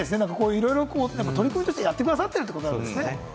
いろいろ取り組みとしてやってくださってるってことですね。